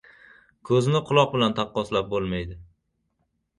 • Ko‘zni quloq bilan taqqoslab bo‘lmaydi.